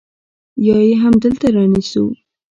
يا يې همدلته رانيسو.